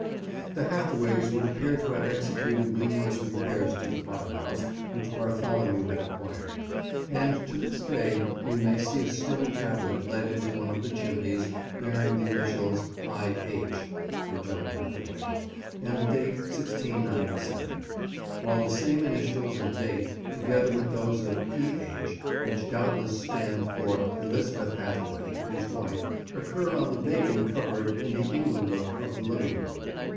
[Picture: Anne Hathaway's Cottage] The Hathaways would appear to have executed numerous repairs to the farmhouse which Bartholomew had acquired, and to this day we may see a stone tablet let into one of the chimneys, bearing the initials "I H" (for John Hathaway) and the date 1697; while the same initials and date, together with those of "E H" which doubtless stand for Elizabeth Hathaway, his wife, occur on the bacon cupboard in the ingle nook of the living room.